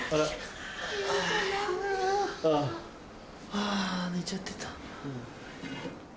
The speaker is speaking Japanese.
あぁ寝ちゃってた。